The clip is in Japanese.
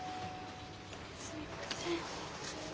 すみません。